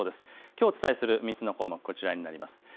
きょうお伝えする３つの項目、こちらになります。